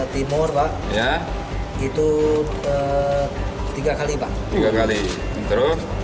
di barat di empat puluh pak